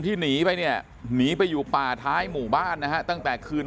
หนีไปเนี่ยหนีไปอยู่ป่าท้ายหมู่บ้านนะฮะตั้งแต่คืน